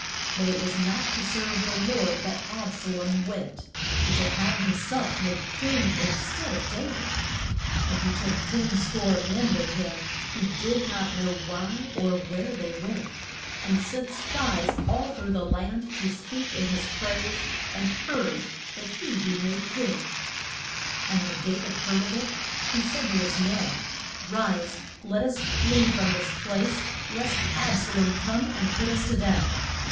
But it was not to serve the Lord that Ab sa lom went, but to have him self made king in stead of Da vid. And he took ten score men with him, who did not know why or where they went, and sent spies all through the land to speak in his praise and urge that he be made king. [Illustration: DA VID FOR GIV ING AB SA LOM.] And when Da vid heard of it he said to his men, Rise, let us flee from this place, lest Ab sa lom come and put us to death.